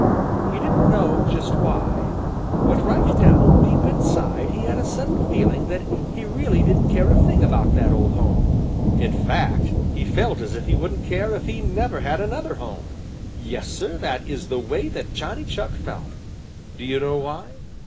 He didn't know just why, but right down deep inside he had a sudden feeling that he really didn't care a thing about that old home. In fact, he felt as if he wouldn't care if he never had another home. Yes, Sir, that is the way that Johnny Chuck felt. Do you know why?